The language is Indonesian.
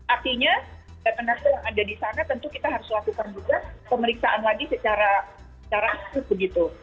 artinya data nasa yang ada di sana tentu kita harus lakukan juga pemeriksaan lagi secara aktif begitu